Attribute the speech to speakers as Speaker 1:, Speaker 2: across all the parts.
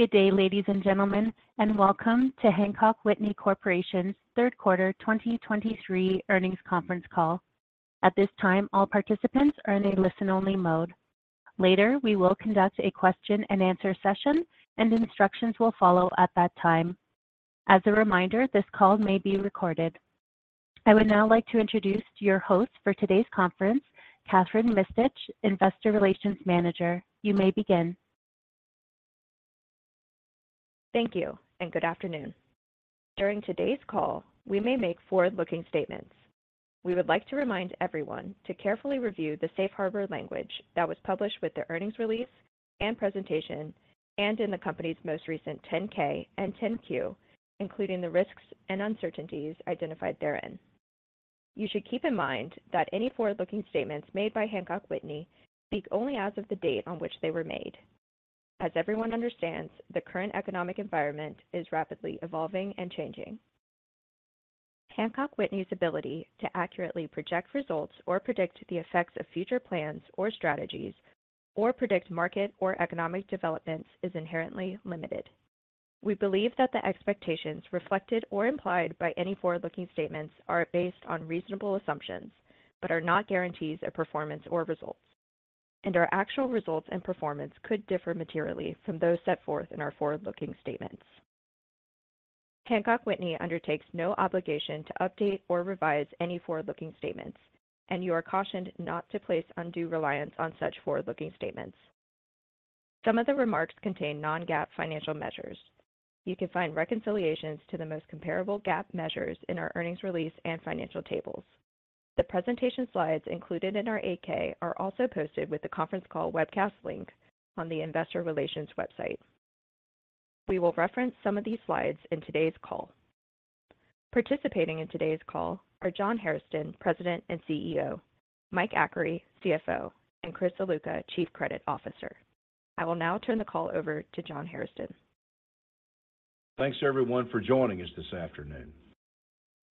Speaker 1: Good day, ladies and gentlemen, and welcome to Hancock Whitney Corporation's third quarter 2023 earnings conference call. At this time, all participants are in a listen-only mode. Later, we will conduct a question and answer session, and instructions will follow at that time. As a reminder, this call may be recorded. I would now like to introduce your host for today's conference, Kathryn Mistich, Investor Relations Manager. You may begin.
Speaker 2: Thank you, and good afternoon. During today's call, we may make forward-looking statements. We would like to remind everyone to carefully review the safe harbor language that was published with the earnings release and presentation, and in the company's most recent 10-K and 10-Q, including the risks and uncertainties identified therein. You should keep in mind that any forward-looking statements made by Hancock Whitney speak only as of the date on which they were made. As everyone understands, the current economic environment is rapidly evolving and changing. Hancock Whitney's ability to accurately project results or predict the effects of future plans or strategies, or predict market or economic developments is inherently limited. We believe that the expectations reflected or implied by any forward-looking statements are based on reasonable assumptions, but are not guarantees of performance or results. Our actual results and performance could differ materially from those set forth in our forward-looking statements. Hancock Whitney undertakes no obligation to update or revise any forward-looking statements, and you are cautioned not to place undue reliance on such forward-looking statements. Some of the remarks contain Non-GAAP financial measures. You can find reconciliations to the most comparable GAAP measures in our earnings release and financial tables. The presentation slides included in our 8-K are also posted with the conference call webcast link on the investor relations website. We will reference some of these slides in today's call. Participating in today's call are John Hairston, President and CEO; Mike Achary, CFO; and Chris Ziluka, Chief Credit Officer. I will now turn the call over to John Hairston.
Speaker 3: Thanks, everyone, for joining us this afternoon.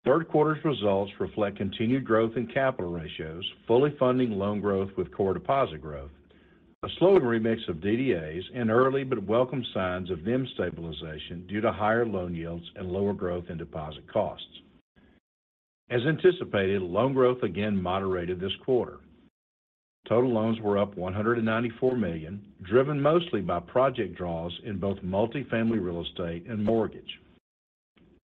Speaker 3: Third quarter's results reflect continued growth in capital ratios, fully funding loan growth with core deposit growth, a slowing remix of DDAs, and early but welcome signs of NIM stabilization due to higher loan yields and lower growth in deposit costs. As anticipated, loan growth again moderated this quarter. Total loans were up $194 million, driven mostly by project draws in both multifamily real estate and mortgage.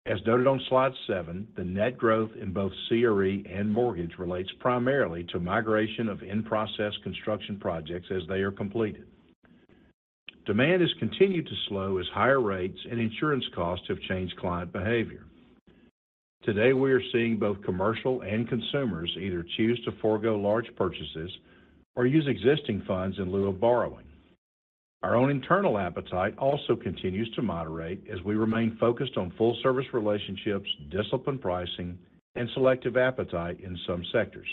Speaker 3: As noted on slide seven, the net growth in both CRE and mortgage relates primarily to migration of in-process construction projects as they are completed. Demand has continued to slow as higher rates and insurance costs have changed client behavior. Today, we are seeing both commercial and consumers either choose to forgo large purchases or use existing funds in lieu of borrowing. Our own internal appetite also continues to moderate as we remain focused on full service relationships, disciplined pricing, and selective appetite in some sectors.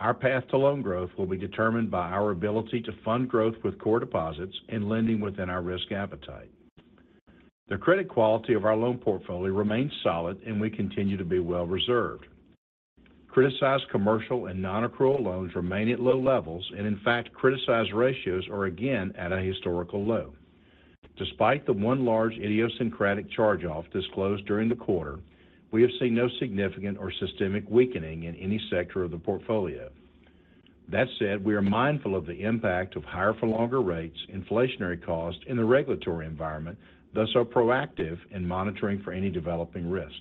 Speaker 3: Our path to loan growth will be determined by our ability to fund growth with core deposits and lending within our risk appetite. The credit quality of our loan portfolio remains solid and we continue to be well reserved. Criticized commercial and non-accrual loans remain at low levels, and in fact, criticized ratios are again at a historical low. Despite the one large idiosyncratic charge-off disclosed during the quarter, we have seen no significant or systemic weakening in any sector of the portfolio. That said, we are mindful of the impact of higher for longer rates, inflationary costs in the regulatory environment, thus are proactive in monitoring for any developing risk.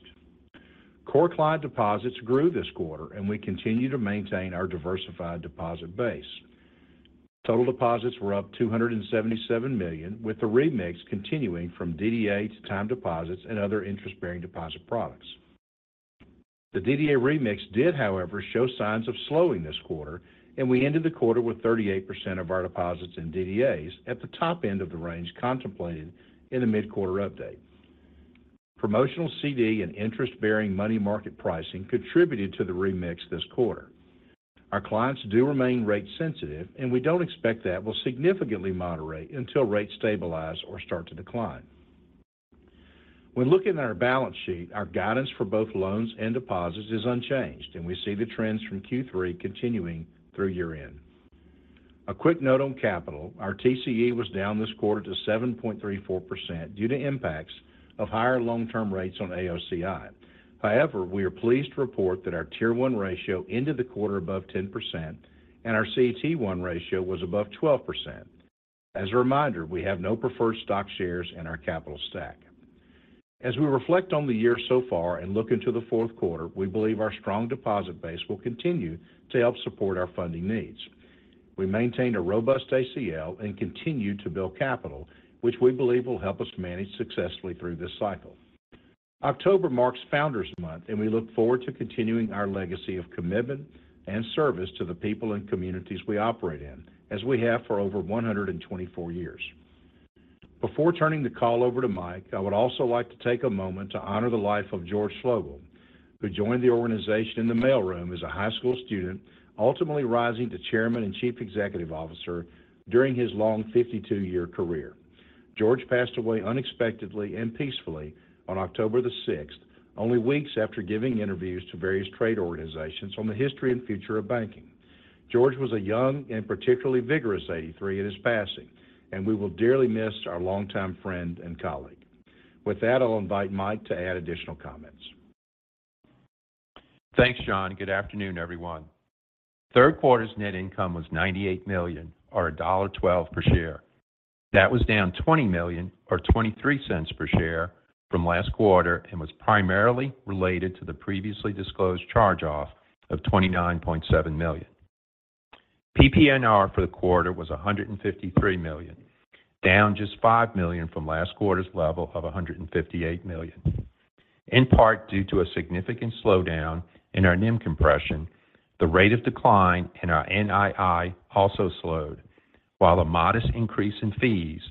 Speaker 3: Core client deposits grew this quarter, and we continue to maintain our diversified deposit base. Total deposits were up $277 million, with the remix continuing from DDA to time deposits and other interest-bearing deposit products. The DDA remix did, however, show signs of slowing this quarter, and we ended the quarter with 38% of our deposits in DDAs at the top end of the range contemplated in the mid-quarter update. Promotional CD and interest-bearing money market pricing contributed to the remix this quarter. Our clients do remain rate sensitive, and we don't expect that will significantly moderate until rates stabilize or start to decline. When looking at our balance sheet, our guidance for both loans and deposits is unchanged, and we see the trends from Q3 continuing through year-end. A quick note on capital. Our TCE was down this quarter to 7.34% due to impacts of higher long-term rates on AOCI. However, we are pleased to report that our Tier 1 ratio ended the quarter above 10% and our CET1 ratio was above 12%. As a reminder, we have no preferred stock shares in our capital stack. As we reflect on the year so far and look into the fourth quarter, we believe our strong deposit base will continue to help support our funding needs. We maintained a robust ACL and continued to build capital, which we believe will help us manage successfully through this cycle. October marks Founders Month, and we look forward to continuing our legacy of commitment and service to the people and communities we operate in, as we have for over 124 years. Before turning the call over to Mike, I would also like to take a moment to honor the life of George Schloegel, who joined the organization in the mailroom as a high school student, ultimately rising to Chairman and Chief Executive Officer during his long 52-year career. George passed away unexpectedly and peacefully on October the 6th, only weeks after giving interviews to various trade organizations on the history and future of banking... George was a young and particularly vigorous 83 at his passing, and we will dearly miss our longtime friend and colleague. With that, I'll invite Mike to add additional comments.
Speaker 4: Thanks, John, and good afternoon, everyone. Third quarter's net income was $98 million or $1.12 per share. That was down $20 million or $0.23 per share from last quarter, and was primarily related to the previously disclosed charge-off of $29.7 million. PPNR for the quarter was $153 million, down just $5 million from last quarter's level of $158 million. In part, due to a significant slowdown in our NIM compression, the rate of decline in our NII also slowed, while a modest increase in fees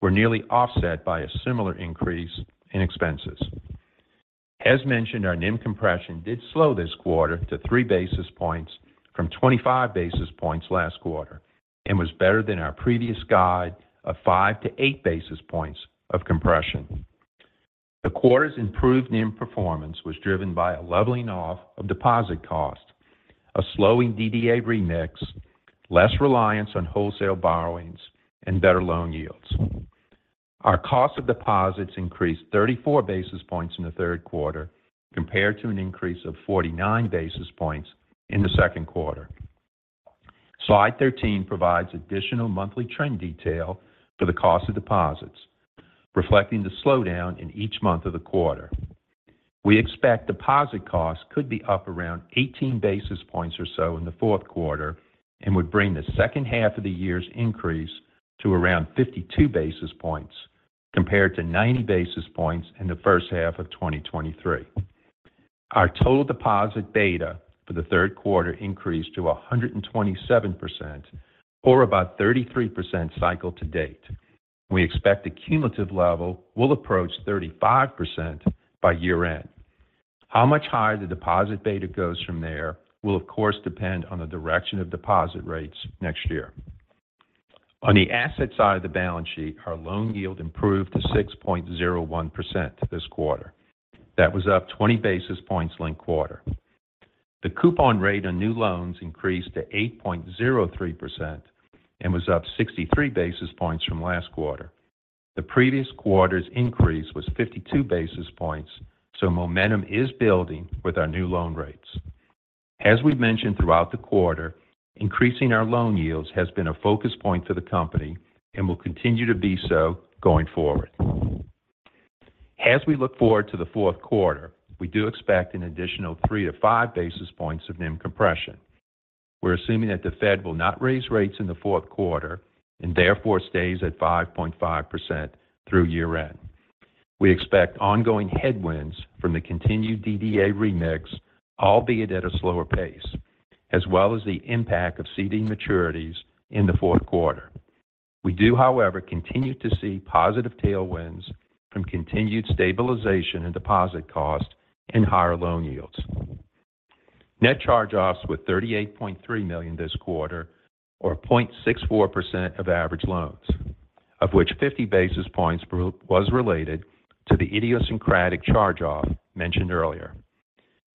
Speaker 4: were nearly offset by a similar increase in expenses. As mentioned, our NIM compression did slow this quarter to three basis points from 25 basis points last quarter, and was better than our previous guide of 5- to 8-basis points of compression. The quarter's improved NIM performance was driven by a leveling off of deposit costs, a slowing DDA remix, less reliance on wholesale borrowings, and better loan yields. Our cost of deposits increased 34 basis points in the third quarter compared to an increase of 49 basis points in the second quarter. Slide 13 provides additional monthly trend detail for the cost of deposits, reflecting the slowdown in each month of the quarter. We expect deposit costs could be up around 18 basis points or so in the fourth quarter, and would bring the second half of the year's increase to around 52 basis points, compared to 90 basis points in the first half of 2023. Our total deposit beta for the third quarter increased to 127% or about 33% cycle to date. We expect the cumulative level will approach 35% by year end. How much higher the deposit beta goes from there will, of course, depend on the direction of deposit rates next year. On the asset side of the balance sheet, our loan yield improved to 6.01% this quarter. That was up 20 basis points linked quarter. The coupon rate on new loans increased to 8.03% and was up 63 basis points from last quarter. The previous quarter's increase was 52 basis points, so momentum is building with our new loan rates. As we mentioned throughout the quarter, increasing our loan yields has been a focus point for the company and will continue to be so going forward. As we look forward to the fourth quarter, we do expect an additional 3- to 5-basis points of NIM compression. We're assuming that the Fed will not raise rates in the fourth quarter, and therefore stays at 5.5% through year end. We expect ongoing headwinds from the continued DDA remix, albeit at a slower pace, as well as the impact of CD maturities in the fourth quarter. We do, however, continue to see positive tailwinds from continued stabilization and deposit cost and higher loan yields. Net charge-offs with $38.3 million this quarter, or 0.64% of average loans, of which 50 basis points was related to the idiosyncratic charge-off mentioned earlier.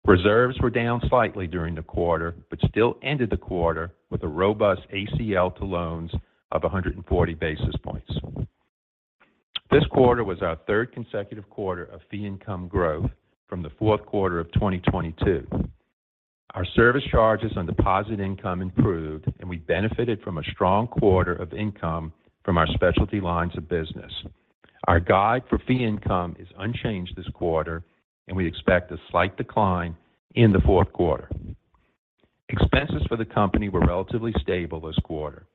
Speaker 4: Reserves were down slightly during the quarter, but still ended the quarter with a robust ACL to loans of 140 basis points. This quarter was our third consecutive quarter of fee income growth from the fourth quarter of 2022. Our service charges on deposit income improved, and we benefited from a strong quarter of income from our specialty lines of business. Our guide for fee income is unchanged this quarter, and we expect a slight decline in the fourth quarter. Expenses for the company were relatively stable this quarter.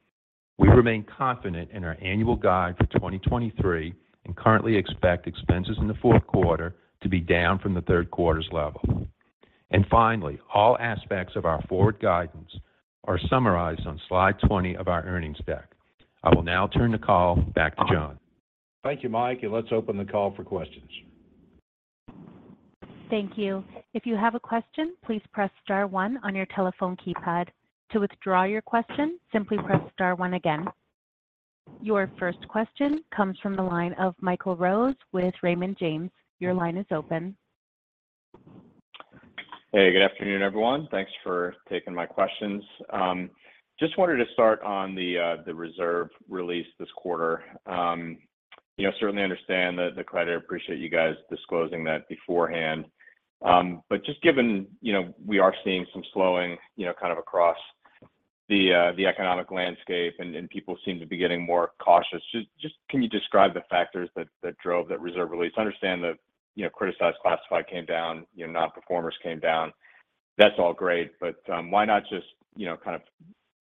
Speaker 4: We remain confident in our annual guide for 2023 and currently expect expenses in the fourth quarter to be down from the third quarter's level. Finally, all aspects of our forward guidance are summarized on Slide 20 of our earnings deck. I will now turn the call back to John.
Speaker 3: Thank you, Mike, and let's open the call for questions.
Speaker 1: Thank you. If you have a question, please press star one on your telephone keypad. To withdraw your question, simply press star one again. Your first question comes from the line of Michael Rose with Raymond James. Your line is open.
Speaker 5: Hey, good afternoon, everyone. Thanks for taking my questions. Just wanted to start on the reserve release this quarter. You know, certainly understand that the credit, appreciate you guys disclosing that beforehand. But just given, you know, we are seeing some slowing, you know, kind of across the economic landscape and people seem to be getting more cautious. Just can you describe the factors that drove that reserve release? I understand that, you know, criticized classified came down, you know, nonperformers came down. That's all great, but why not just, you know, kind of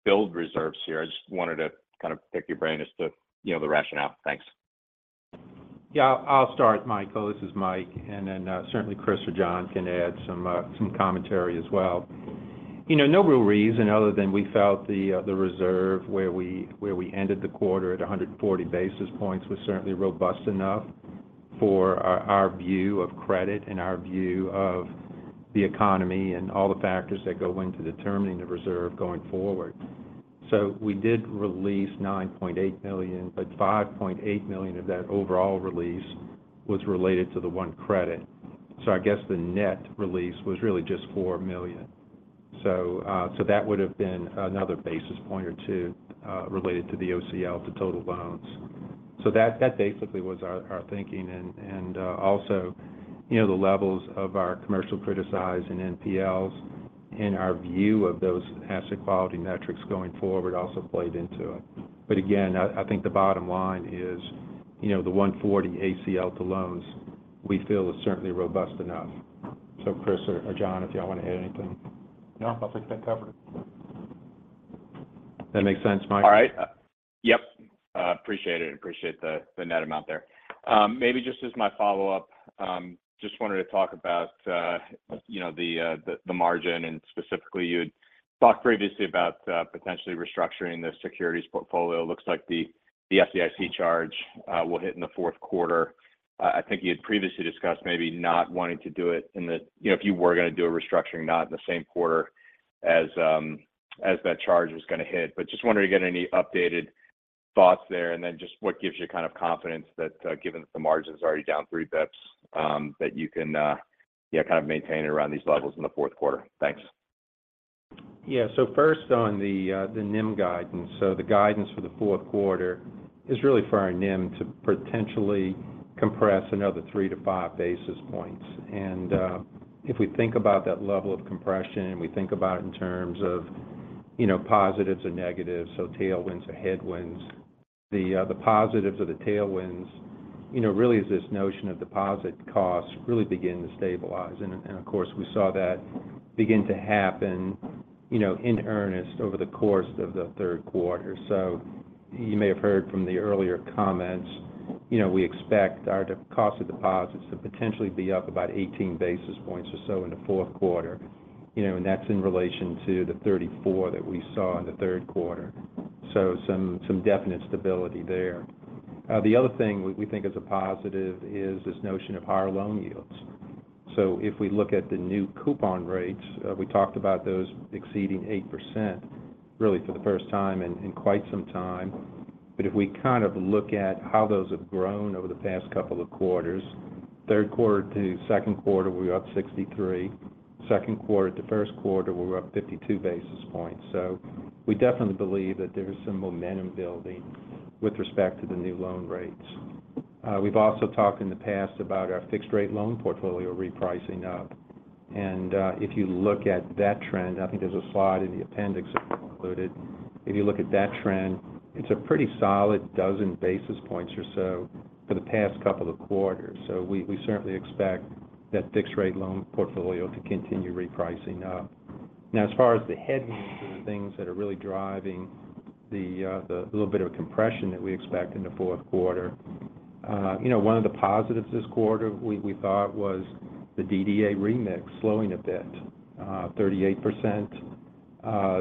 Speaker 5: build reserves here? I just wanted to kind of pick your brain as to, you know, the rationale. Thanks.
Speaker 4: Yeah, I'll start, Michael. This is Mike, and then, certainly Chris or John can add some, some commentary as well. You know, no real reason other than we felt the, the reserve where we, where we ended the quarter at 140 basis points was certainly robust enough for our, our view of credit and our view of the economy and all the factors that go into determining the reserve going forward. ... So we did release $9.8 million, but $5.8 million of that overall release was related to the one credit. So I guess, the net release was really just $4 million. So, so that would have been another basis point or two, related to the ACL to total loans. So that, that basically was our, our thinking. And, and, also, you know, the levels of our commercial criticized and NPLs and our view of those asset quality metrics going forward also played into it. But again, I, I think the bottom line is, you know, the 1.40 ACL to loans, we feel is certainly robust enough. So Chris or, or John, if y'all want to add anything?
Speaker 5: No, I think that's covered.
Speaker 4: That make sense, Mike?
Speaker 5: All right. Yep, appreciate it. Appreciate the net amount there. Maybe just as my follow-up, just wanted to talk about, you know, the margin, and specifically, you had talked previously about potentially restructuring the securities portfolio. Looks like the FDIC charge will hit in the fourth quarter. I think you had previously discussed maybe not wanting to do it in the, you know, if you were going to do a restructuring, not in the same quarter as that charge was going to hit. But just wondering if you got any updated thoughts there, and then just what gives you kind of confidence that, given that the margin's already down three basis points, that you can, yeah, kind of maintain it around these levels in the fourth quarter? Thanks.
Speaker 4: Yeah. So first, on the NIM guidance. So the guidance for the fourth quarter is really for our NIM to potentially compress another 3- to 5-basis points. And if we think about that level of compression, and we think about it in terms of, you know, positives and negatives, so tailwinds or headwinds, the positives or the tailwinds, you know, really is this notion of deposit costs really beginning to stabilize. And of course, we saw that begin to happen, you know, in earnest over the course of the third quarter. So you may have heard from the earlier comments, you know, we expect our cost of deposits to potentially be up about 18 basis points or so in the fourth quarter. You know, and that's in relation to the 34 that we saw in the third quarter. So some definite stability there. The other thing we think is a positive is this notion of higher loan yields. So if we look at the new coupon rates, we talked about those exceeding 8%, really for the first time in quite some time. But if we kind of look at how those have grown over the past couple of quarters, third quarter to second quarter, we were up 63. Second quarter to first quarter, we were up 52 basis points. So we definitely believe that there is some momentum building with respect to the new loan rates. We've also talked in the past about our fixed-rate loan portfolio repricing up. And if you look at that trend, I think there's a slide in the appendix included. If you look at that trend, it's a pretty solid 12 basis points or so for the past couple of quarters. So we, we certainly expect that fixed-rate loan portfolio to continue repricing up. Now, as far as the headwinds and the things that are really driving the, the little bit of compression that we expect in the fourth quarter, you know, one of the positives this quarter, we, we thought was the DDA remix slowing a bit, 38%,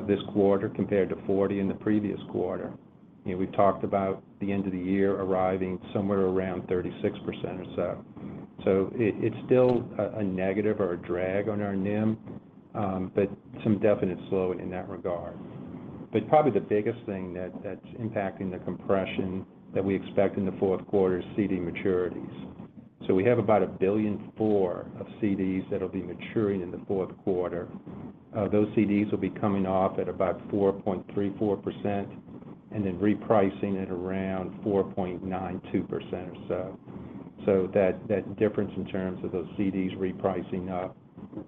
Speaker 4: this quarter, compared to 40 in the previous quarter. You know, we've talked about the end of the year arriving somewhere around 36% or so. So it, it's still a, a negative or a drag on our NIM, but some definite slowing in that regard. But probably the biggest thing that's impacting the compression that we expect in the fourth quarter is CD maturities. So we have about $1.4 billion of CDs that'll be maturing in the fourth quarter. Those CDs will be coming off at about 4.34%, and then repricing at around 4.92% or so. So that difference in terms of those CDs repricing up,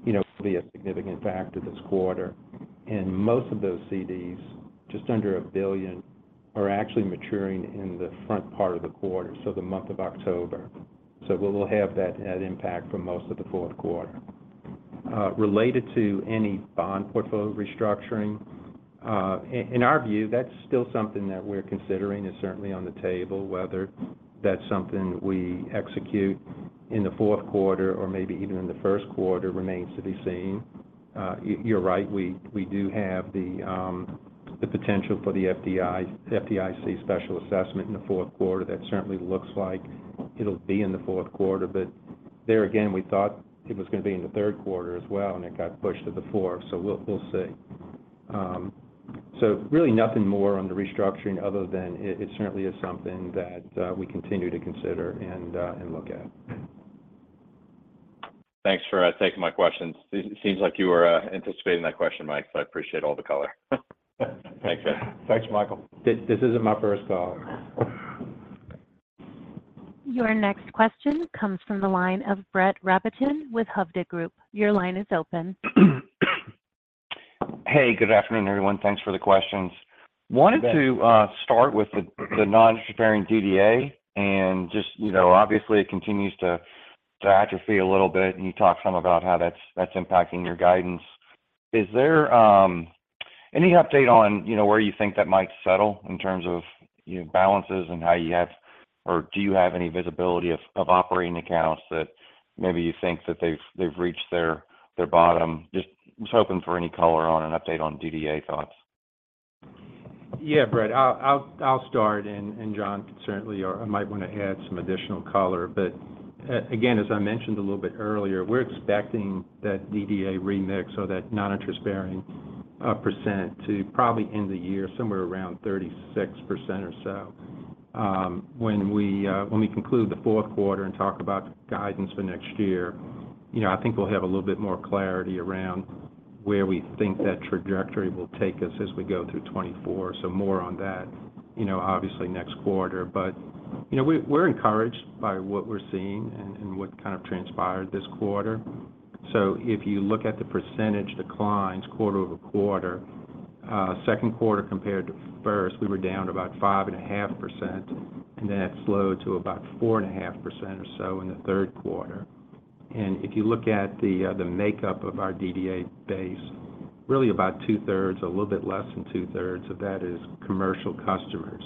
Speaker 4: you know, will be a significant factor this quarter. And most of those CDs, just under $1 billion, are actually maturing in the front part of the quarter, so the month of October. So we'll have that impact for most of the fourth quarter. Related to any bond portfolio restructuring, in our view, that's still something that we're considering. It's certainly on the table. Whether that's something we execute in the fourth quarter or maybe even in the first quarter, remains to be seen. You're right, we do have the potential for the FDIC special assessment in the fourth quarter. That certainly looks like it'll be in the fourth quarter, but there again, we thought it was going to be in the third quarter as well, and it got pushed to the fourth. So we'll see. So really nothing more on the restructuring, other than it certainly is something that we continue to consider and look at.
Speaker 5: Thanks for taking my questions. Seems like you were anticipating that question, Mike, so I appreciate all the color. Thanks.
Speaker 6: Thanks, Michael.
Speaker 4: This isn't my first go.
Speaker 1: Your next question comes from the line of Brett Rabatin with Hovde Group. Your line is open.
Speaker 7: Hey, good afternoon, everyone. Thanks for the questions.
Speaker 4: Hey-
Speaker 7: Wanted to start with the non-interest-bearing DDA, and just, you know, obviously, it continues to atrophy a little bit, and you talked some about how that's impacting your guidance. Is there any update on, you know, where you think that might settle in terms of, you know, balances and how you have or do you have any visibility of operating accounts that maybe you think that they've reached their bottom? Just hoping for any color on an update on DDA thoughts.
Speaker 4: Yeah, Brett, I'll start, and John can certainly or might want to add some additional color. But again, as I mentioned a little bit earlier, we're expecting that DDA remix, or that non-interest-bearing percent to probably end the year somewhere around 36% or so. When we conclude the fourth quarter and talk about guidance for next year, you know, I think we'll have a little bit more clarity around where we think that trajectory will take us as we go through 2024. So more on that, you know, obviously next quarter. But, you know, we're encouraged by what we're seeing and what kind of transpired this quarter. So if you look at the percentage declines quarter-over-quarter, second quarter compared to first, we were down about 5.5%, and then that slowed to about 4.5% or so in the third quarter. And if you look at the makeup of our DDA base, really about two-thirds, a little bit less than two-thirds of that is commercial customers.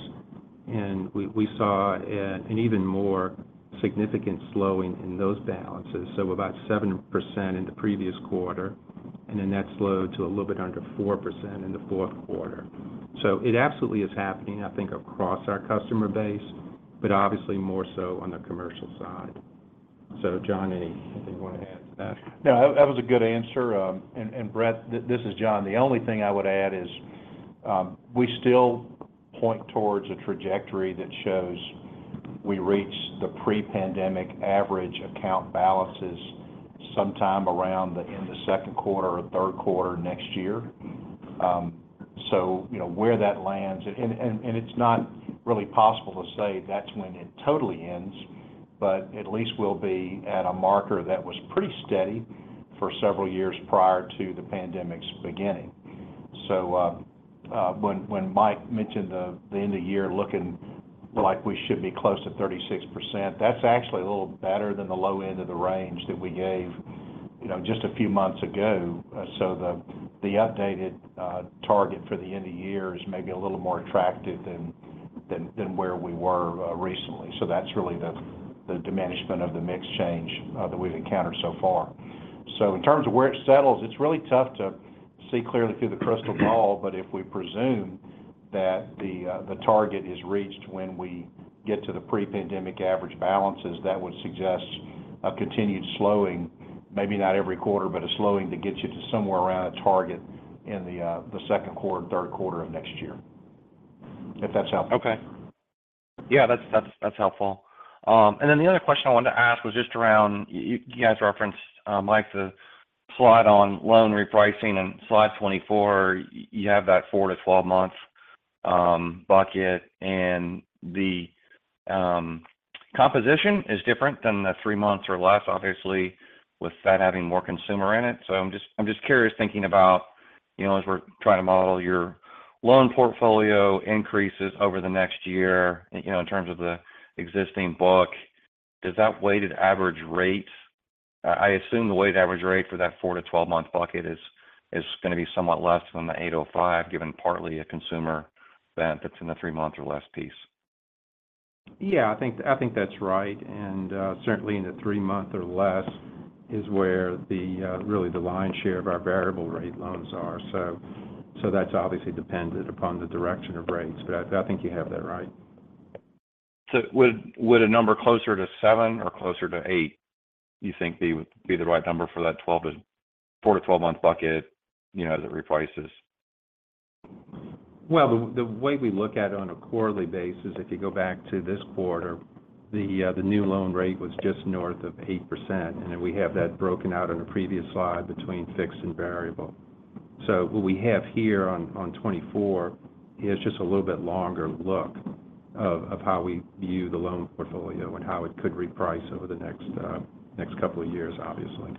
Speaker 4: And we saw an even more significant slowing in those balances, so about 7% in the previous quarter, and then that slowed to a little bit under 4% in the fourth quarter. So it absolutely is happening, I think, across our customer base, but obviously more so on the commercial side. So John, anything you want to add to that?
Speaker 3: No, that, that was a good answer. And Brett, this is John. The only thing I would add is, we still point towards a trajectory that shows we reach the pre-pandemic average account balances sometime around the end of second quarter or third quarter next year. So you know, where that lands and it's not really possible to say that's when it totally ends, but at least we'll be at a marker that was pretty steady for several years prior to the pandemic's beginning. So, when Mike mentioned the end of year looking like we should be close to 36%, that's actually a little better than the low end of the range that we gave, you know, just a few months ago. So the updated target for the end of year is maybe a little more attractive than where we were recently. So that's really the diminishment of the mix change that we've encountered so far. So in terms of where it settles, it's really tough to see clearly through the crystal ball, but if we presume that the target is reached when we get to the pre-pandemic average balances, that would suggest a continued slowing. Maybe not every quarter, but a slowing to get you to somewhere around a target in the second quarter, third quarter of next year. If that's helpful.
Speaker 7: Okay. Yeah, that's helpful. And then the other question I wanted to ask was just around, you guys referenced, Mike, the slide on loan repricing. In Slide 24, you have that 4- to 12-months bucket, and the composition is different than the three months or less, obviously, with that having more consumer in it. So I'm just curious, thinking about, you know, as we're trying to model your loan portfolio increases over the next year, you know, in terms of the existing book, does that weighted average rate... I assume the weighted average rate for that 4- to 12-month bucket is going to be somewhat less than the 8.05, given partly a consumer bent that's in the three month or less piece.
Speaker 4: Yeah, I think, I think that's right, and certainly in the three-month or less is where really the lion's share of our variable rate loans are. So, so that's obviously dependent upon the direction of rates, but I, I think you have that right.
Speaker 7: Would a number closer to seven or closer to eight, you think, be the right number for that 4- to 12-month bucket, you know, as it reprices?
Speaker 4: Well, the way we look at it on a quarterly basis, if you go back to this quarter, the new loan rate was just north of 8%, and then we have that broken out on a previous slide between fixed and variable. So what we have here on 24 is just a little bit longer look of how we view the loan portfolio and how it could reprice over the next couple of years, obviously.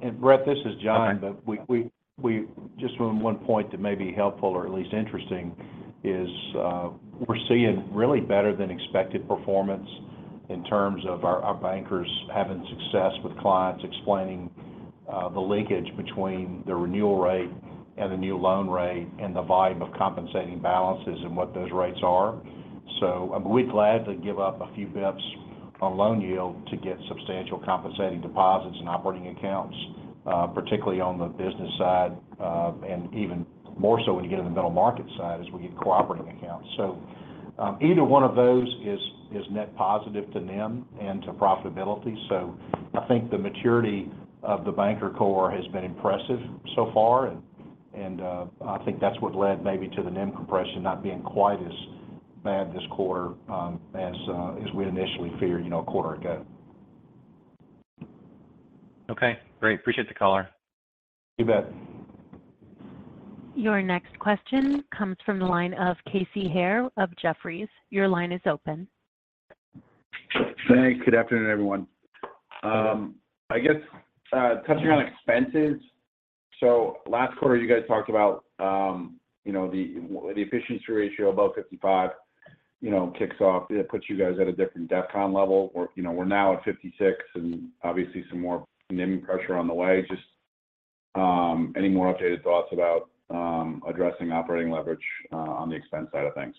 Speaker 3: And Brett, this is John.
Speaker 7: Okay.
Speaker 3: But we just one point that may be helpful or at least interesting is, we're seeing really better than expected performance in terms of our bankers having success with clients, explaining the linkage between the renewal rate and the new loan rate, and the volume of compensating balances and what those rates are. So we'd gladly give up a few basis points on loan yield to get substantial compensating deposits and operating accounts, particularly on the business side. And even more so when you get in the middle market side, as we get compensating accounts. So, either one of those is net positive to NIM and to profitability, so I think the maturity of the banker corps has been impressive so far. I think that's what led maybe to the NIM compression not being quite as bad this quarter as we initially feared, you know, a quarter ago.
Speaker 7: Okay, great. Appreciate the color.
Speaker 3: You bet.
Speaker 1: Your next question comes from the line of Casey Haire of Jefferies. Your line is open.
Speaker 8: Thanks. Good afternoon, everyone. I guess, touching on expenses, so last quarter, you guys talked about, you know, the efficiency ratio, about 55, you know, kicks off. It puts you guys at a different DEFCON level, or, you know, we're now at 56, and obviously some more NIM pressure on the way. Just, any more updated thoughts about, addressing operating leverage, on the expense side of things?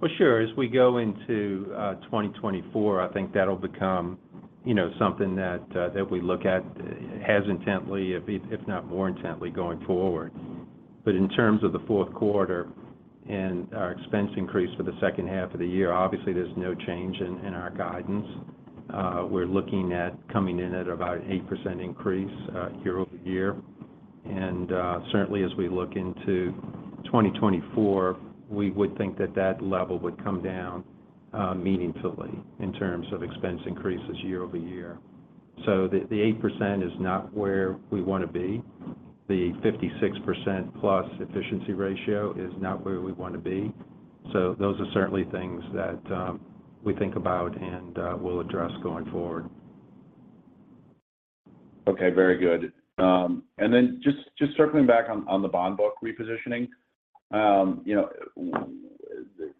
Speaker 4: Well, sure. As we go into 2024, I think that'll become, you know, something that that we look at as intently, if, if not more intently, going forward. But in terms of the fourth quarter and our expense increase for the second half of the year, obviously, there's no change in our guidance. We're looking at coming in at about an 8% increase year-over-year. And certainly, as we look into 2024, we would think that that level would come down meaningfully in terms of expense increases year-over-year. So the 8% is not where we want to be. The 56% plus efficiency ratio is not where we want to be. So those are certainly things that we think about and we'll address going forward.
Speaker 8: Okay, very good. And then just circling back on the bond book repositioning. You know,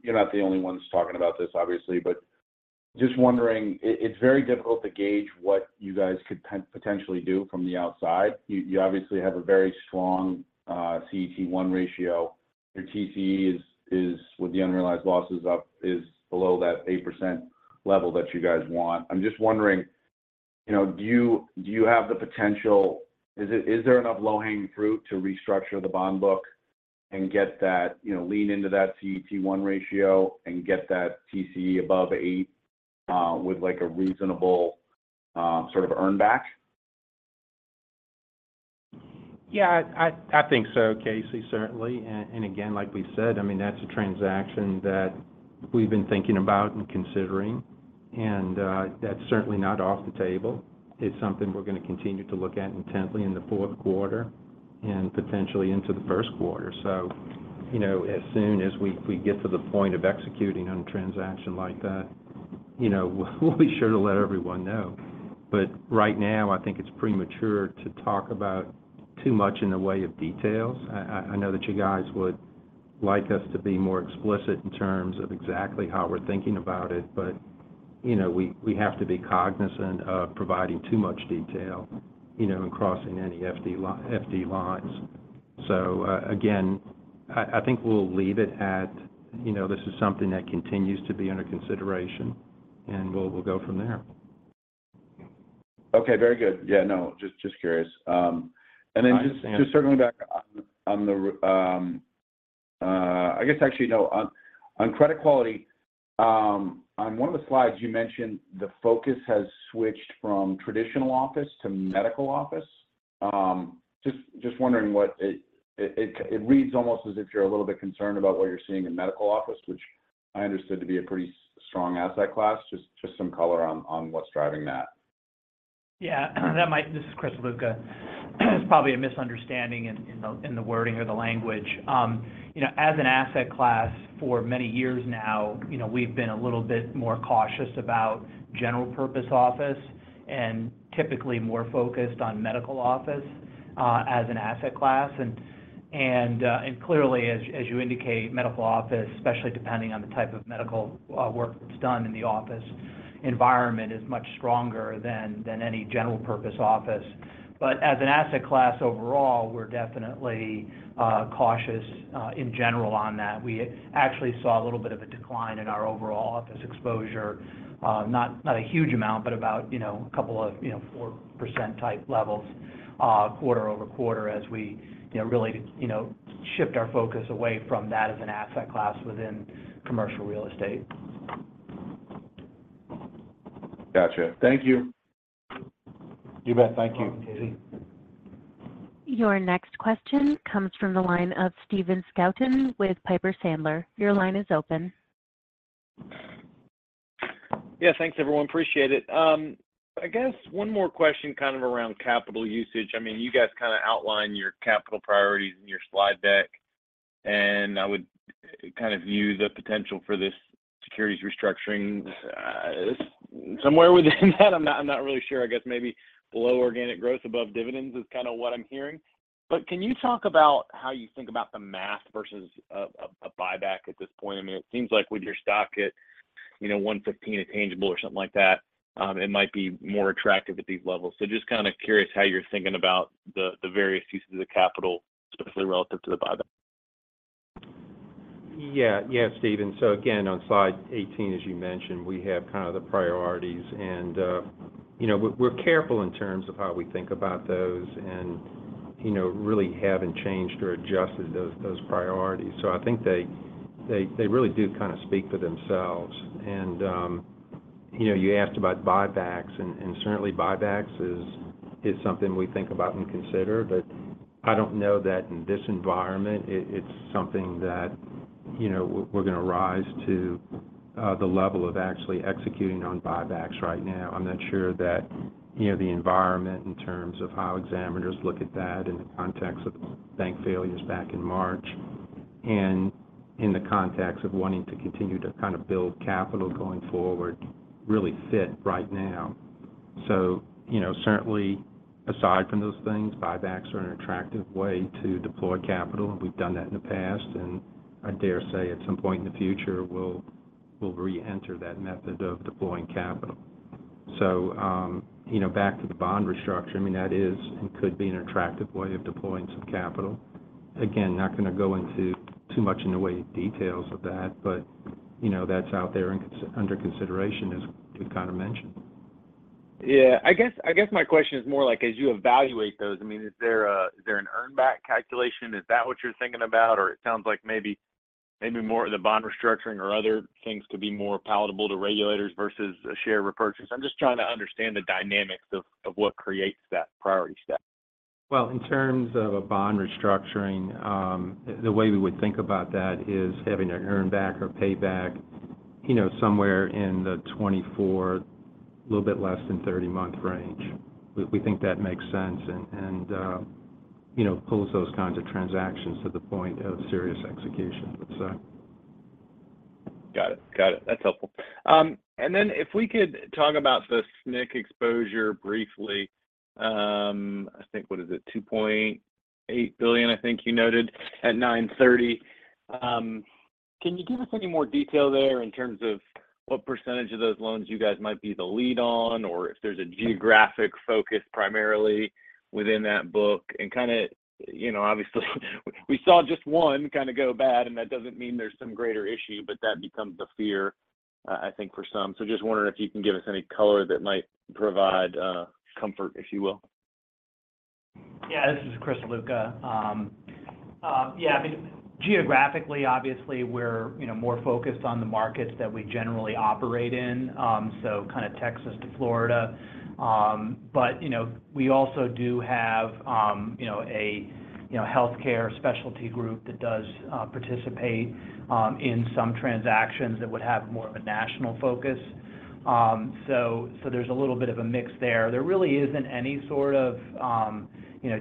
Speaker 8: you're not the only ones talking about this, obviously, but just wondering, it's very difficult to gauge what you guys could potentially do from the outside. You obviously have a very strong CET1 ratio. Your TCE is, with the unrealized losses up, below that 8% level that you guys want. I'm just wondering, you know, do you have the potential-- is there enough low-hanging fruit to restructure the bond book and get that, you know, lean into that CET1 ratio and get that TCE above 8%, with, like, a reasonable sort of earn back?
Speaker 4: Yeah, I think so, Casey, certainly. And again, like we said, I mean, that's a transaction that we've been thinking about and considering, and that's certainly not off the table. It's something we're going to continue to look at intently in the fourth quarter and potentially into the first quarter. So, you know, as soon as we get to the point of executing on a transaction like that, you know, we'll be sure to let everyone know. But right now, I think it's premature to talk about too much in the way of details. I know that you guys would like us to be more explicit in terms of exactly how we're thinking about it, but, you know, we have to be cognizant of providing too much detail, you know, and crossing any FD lines. So, again, I think we'll leave it at, you know, this is something that continues to be under consideration, and we'll go from there.
Speaker 8: Okay, very good. Yeah, no, just, just curious. And then just-
Speaker 4: Yeah...
Speaker 8: just circling back on, actually, no, on credit quality. On one of the slides you mentioned, the focus has switched from traditional office to medical office. Just wondering what it reads almost as if you're a little bit concerned about what you're seeing in medical office, which I understood to be a pretty strong asset class. Just some color on what's driving that.
Speaker 9: Yeah, that might... This is Chris Ziluka. It's probably a misunderstanding in the wording or the language. You know, as an asset class for many years now, you know, we've been a little bit more cautious about general purpose office, and typically more focused on medical office, as an asset class. And clearly, as you indicate, medical office, especially depending on the type of medical work that's done in the office environment, is much stronger than any general purpose office. But as an asset class overall, we're definitely cautious in general on that. We actually saw a little bit of a decline in our overall office exposure. Not a huge amount, but about, you know, a couple of, you know, 4% type levels, quarter-over-quarter as we, you know, really, you know, shift our focus away from that as an asset class within commercial real estate.
Speaker 8: Gotcha. Thank you.
Speaker 4: You bet. Thank you, Casey.
Speaker 1: Your next question comes from the line of Stephen Scouten with Piper Sandler. Your line is open.
Speaker 6: Yeah. Thanks, everyone. Appreciate it. I guess one more question kind of around capital usage. I mean, you guys kind of outlined your capital priorities in your slide deck, and I would kind of view the potential for this securities restructuring somewhere within that. I'm not, I'm not really sure. I guess maybe below organic growth, above dividends is kind of what I'm hearing. But can you talk about how you think about the math versus a buyback at this point? I mean, it seems like with your stock at, you know, $115 tangible or something like that, it might be more attractive at these levels. So just kind of curious how you're thinking about the various uses of the capital, especially relative to the buyback.
Speaker 4: Yeah. Yeah, Steven. So again, on Slide 18, as you mentioned, we have kind of the priorities and, you know, we're careful in terms of how we think about those and, you know, really haven't changed or adjusted those priorities. So I think they really do kind of speak for themselves. And, you know, you asked about buybacks, and certainly buybacks is something we think about and consider. But I don't know that in this environment, it's something that, you know, we're going to rise to the level of actually executing on buybacks right now. I'm not sure that, you know, the environment in terms of how examiners look at that in the context of bank failures back in March, and in the context of wanting to continue to kind of build capital going forward, really fit right now. So, you know, certainly aside from those things, buybacks are an attractive way to deploy capital. We've done that in the past, and I dare say at some point in the future, we'll reenter that method of deploying capital. So, you know, back to the bond restructure, I mean, that is and could be an attractive way of deploying some capital. Again, not going to go into too much in the way of details of that, but, you know, that's out there and under consideration, as you kind of mentioned.
Speaker 6: Yeah, I guess, I guess my question is more like as you evaluate those, I mean, is there a, is there an earn back calculation? Is that what you're thinking about? Or it sounds like maybe, maybe more of the bond restructuring or other things could be more palatable to regulators versus a share repurchase. I'm just trying to understand the dynamics of, of what creates that priority step.
Speaker 4: Well, in terms of a bond restructuring, the way we would think about that is having to earn back or pay back, you know, somewhere in the 24- to a little bit less than 30-month range. We think that makes sense and, you know, pulls those kinds of transactions to the point of serious execution. So-
Speaker 6: Got it. Got it. That's helpful. And then if we could talk about the SNC exposure briefly. I think, what is it? $2.8 billion, I think you noted at 9/30. Can you give us any more detail there in terms of what percentage of those loans you guys might be the lead on, or if there's a geographic focus primarily within that book? And kind of, you know, obviously, we saw just one kind of go bad, and that doesn't mean there's some greater issue, but that becomes the fear, I think, for some. So just wondering if you can give us any color that might provide comfort, if you will.
Speaker 9: Yeah, this is Chris Ziluka. Yeah, I mean, geographically, obviously, we're, you know, more focused on the markets that we generally operate in. So kind of Texas to Florida. But, you know, we also do have a healthcare specialty group that does participate in some transactions that would have more of a national focus. So there's a little bit of a mix there. There really isn't any sort of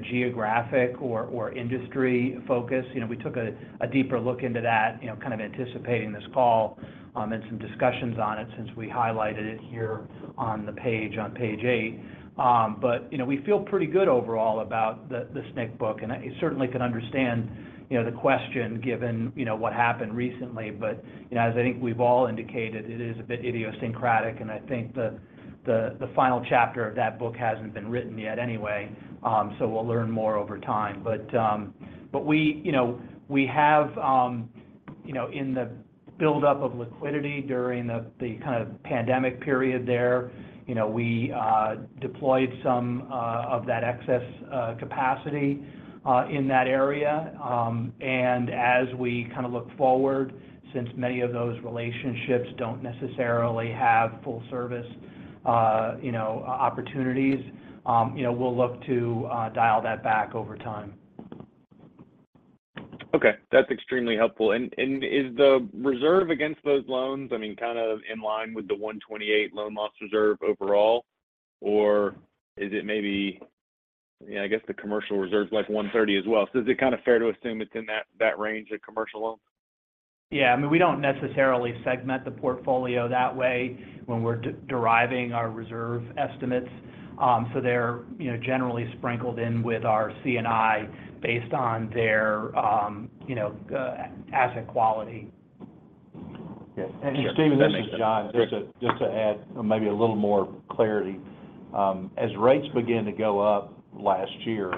Speaker 9: geographic or industry focus. You know, we took a deeper look into that, you know, kind of anticipating this call, and some discussions on it since we highlighted it here on the page, on page eight. But, you know, we feel pretty good overall about the SNC book, and I certainly can understand, you know, the question, given, you know, what happened recently. But, you know, as I think we've all indicated, it is a bit idiosyncratic, and I think the final chapter of that book hasn't been written yet anyway. So we'll learn more over time. But, but we, you know, we have, you know, in the buildup of liquidity during the kind of pandemic period there, you know, we deployed some of that excess capacity in that area. And as we kind of look forward, since many of those relationships don't necessarily have full service, you know, opportunities, you know, we'll look to dial that back over time.
Speaker 6: Okay. That's extremely helpful. And, and is the reserve against those loans, I mean, kind of in line with the 1.28 loan loss reserve overall? Or is it maybe... Yeah, I guess, the commercial reserve's like 1.30 as well. So is it kind of fair to assume it's in that, that range of commercial loans?
Speaker 9: Yeah. I mean, we don't necessarily segment the portfolio that way when we're deriving our reserve estimates. So they're, you know, generally sprinkled in with our C&I based on their, you know, asset quality.
Speaker 3: Yeah.
Speaker 6: Sure.
Speaker 3: Steven, this is John.
Speaker 6: Sure.
Speaker 3: Just to add maybe a little more clarity. As rates began to go up last year,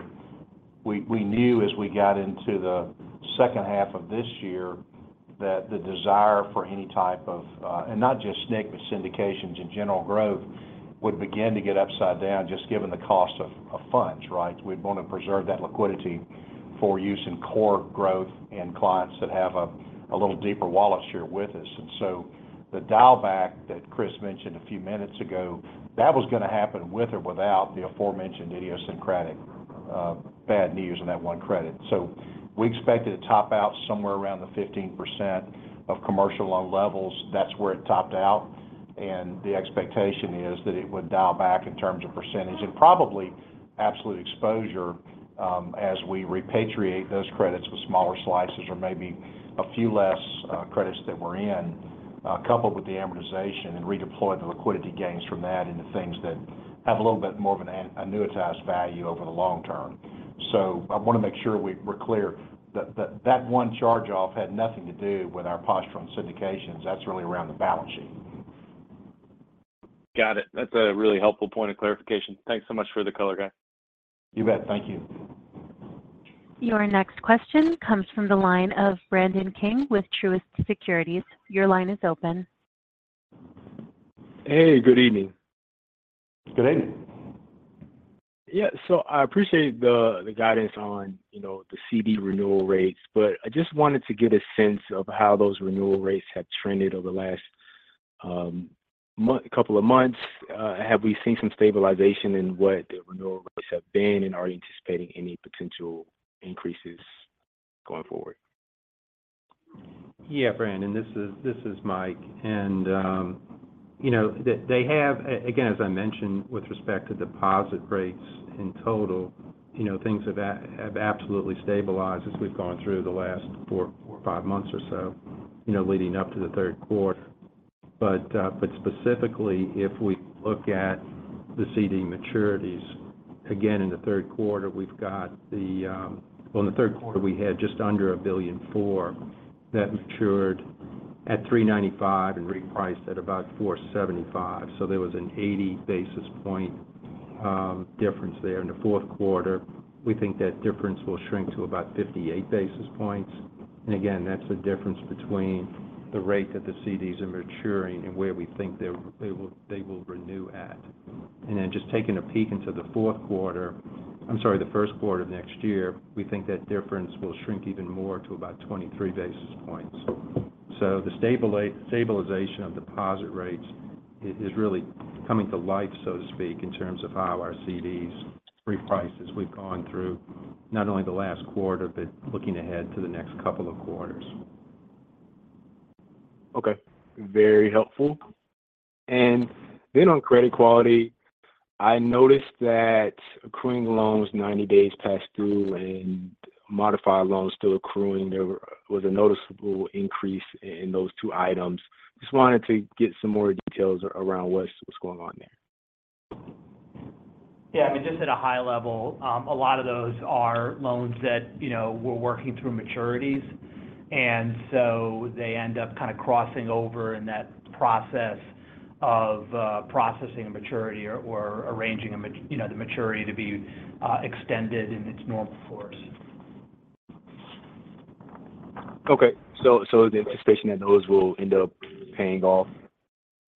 Speaker 3: we knew as we got into the second half of this year, that the desire for any type of and not just SNC, but syndications in general growth, would begin to get upside down, just given the cost of funds, right? We'd want to preserve that liquidity for use in core growth and clients that have a little deeper wallet share with us. And so the dial back that Chris mentioned a few minutes ago, that was going to happen with or without the aforementioned idiosyncratic bad news on that one credit. So we expected it to top out somewhere around the 15% of commercial loan levels. That's where it topped out, and the expectation is that it would dial back in terms of percentage and probably absolute exposure, as we repatriate those credits with smaller slices or maybe a few less credits that we're in, coupled with the amortization, and redeploy the liquidity gains from that into things that have a little bit more of an annuitized value over the long term. So I want to make sure we're clear that that one charge-off had nothing to do with our posture on syndications. That's really around the balance sheet.
Speaker 6: Got it. That's a really helpful point of clarification. Thanks so much for the color, guy.
Speaker 3: You bet. Thank you.
Speaker 1: Your next question comes from the line of Brandon King with Truist Securities. Your line is open.
Speaker 10: Hey, good evening.
Speaker 3: Good evening.
Speaker 10: Yeah. So I appreciate the guidance on, you know, the CD renewal rates, but I just wanted to get a sense of how those renewal rates have trended over the last couple of months. Have we seen some stabilization in what the renewal rates have been, and are you anticipating any potential increases going forward?
Speaker 4: Yeah, Brandon, this is Mike. And you know, they have... Again, as I mentioned, with respect to deposit rates in total, you know, things have absolutely stabilized as we've gone through the last four or five months or so, you know, leading up to the third quarter. But specifically, if we look at the CD maturities, again, in the third quarter, we've got the... Well, in the third quarter, we had just under $1.004 billion that matured at 3.95% and repriced at about 4.75%. So there was an 80 basis point difference there in the fourth quarter. We think that difference will shrink to about 58 basis points. And again, that's the difference between the rate that the CDs are maturing and where we think they're-- they will, they will renew at. And then just taking a peek into the fourth quarter, I'm sorry, the first quarter of next year, we think that difference will shrink even more to about 23 basis points. So the stabilization of deposit rates is really coming to life, so to speak, in terms of how our CDs reprice as we've gone through, not only the last quarter, but looking ahead to the next couple of quarters.
Speaker 10: Okay. Very helpful. And then on credit quality, I noticed that accruing loans 90 days past due and modified loans still accruing, there was a noticeable increase in those two items. Just wanted to get some more details around what's going on there.
Speaker 9: Yeah, I mean, just at a high level, a lot of those are loans that, you know, we're working through maturities. And so they end up kind of crossing over in that process of processing a maturity or arranging a maturity, you know, the maturity to be extended in its normal course.
Speaker 10: Okay. So the expectation that those will end up paying off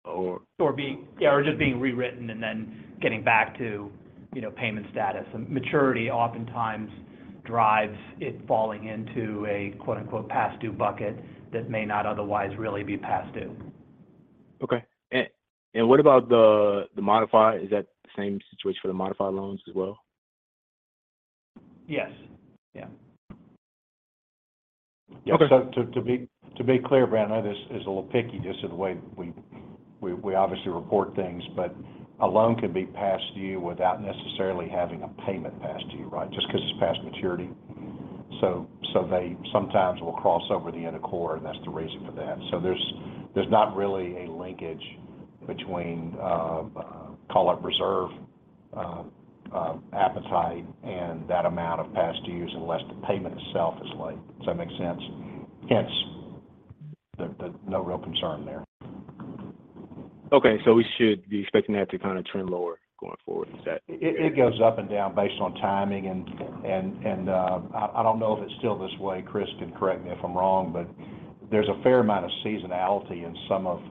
Speaker 10: or-
Speaker 9: Or just being rewritten and then getting back to, you know, payment status. Maturity oftentimes drives it falling into a, quote-unquote, "past due" bucket that may not otherwise really be past due.
Speaker 10: Okay. And what about the modified? Is that the same situation for the modified loans as well?
Speaker 9: Yes. Yeah.
Speaker 10: Okay.
Speaker 4: Yeah. So to be clear, Brandon, this is a little picky, just in the way we obviously report things, but a loan can be past due without necessarily having a payment past due, right? Just because it's past maturity. So they sometimes will cross over the end of quarter, and that's the reason for that. So there's not really a linkage between call it reserve appetite and that amount of past dues, unless the payment itself is late. Does that make sense? Hence, there's no real concern there.
Speaker 10: Okay. We should be expecting that to kind of trend lower going forward, is that fair?
Speaker 4: It goes up and down based on timing. I don't know if it's still this way, Chris can correct me if I'm wrong, but there's a fair amount of seasonality in some of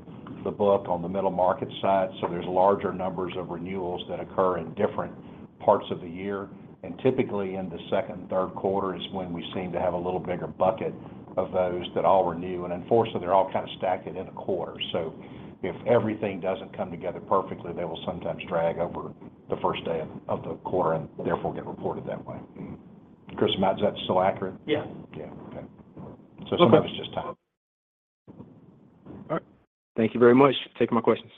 Speaker 4: the book on the middle market side. So there's larger numbers of renewals that occur in different parts of the year. And typically, in the second and third quarter is when we seem to have a little bigger bucket of those that all renew. And unfortunately, they're all kind of stacked in a quarter. So if everything doesn't come together perfectly, they will sometimes drag over the first day of the quarter and therefore get reported that way. Chris, am I? Is that still accurate?
Speaker 9: Yeah.
Speaker 4: Yeah. Okay.
Speaker 10: Okay.
Speaker 4: Sometimes it's just time.
Speaker 10: All right. Thank you very much for taking my questions.